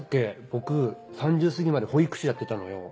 僕３０すぎまで保育士やってたのよ。